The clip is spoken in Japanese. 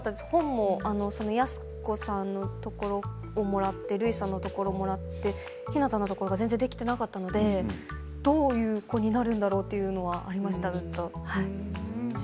本も安子さんのところをもらってるいさんのところをもらってひなたのところがまだできていなかったのでどういう子になるかということもありましたね。